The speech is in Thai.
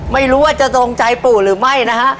ไม่รู้ว่าจะตรงใจปู่หรือไม่นะฮะ